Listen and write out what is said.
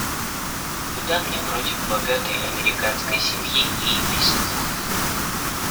Куда мне против богатой американской семьи и епископа.